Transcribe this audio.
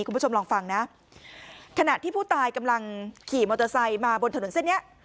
คุณผู้ชมลองฟังนะขณะที่ผู้ตายกำลังขี่มอเตอร์ไซค์มาบนถนนเส้นเนี้ย